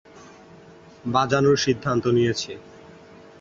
বাজানোর সিদ্ধান্ত নিয়েছে।